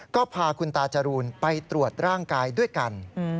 ก็พาคุณตาจรูนไปตรวจร่างกายด้วยกัน